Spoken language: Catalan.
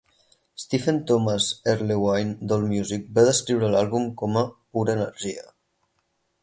Stephen Thomas Erlewine d'AllMusic va descriure l'àlbum com a "pura energia".